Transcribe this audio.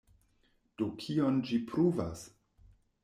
Do kion ĝi pruvas?